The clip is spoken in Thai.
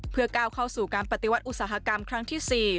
เพื่อก้าวเข้าสู่การปฏิวัติอุตสาหกรรมครั้งที่๔